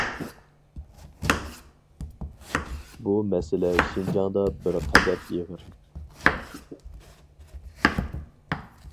بۇ مەسىلە شىنجاڭدا بىر قەدەر ئېغىر.